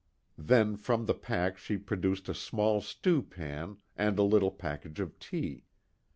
Then from the pack she produced a small stew pan and a little package of tea.